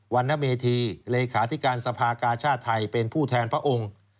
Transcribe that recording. ณเมธีเลขาธิการสภากาชาติไทยเป็นผู้แทนพระองค์